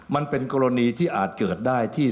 มันเป็นกรณีที่อาจเกิดได้ที่